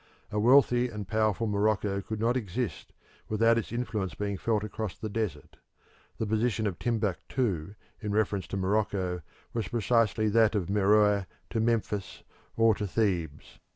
A wealthy and powerful Morocco could not exist without its influence being felt across the desert; the position of Timbuktu in reference to Morocco was precisely that of Meroe to Memphis or to Thebes.